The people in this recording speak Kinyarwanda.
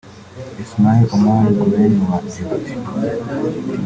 Ismaïl Omar Guelleh wa Djibouti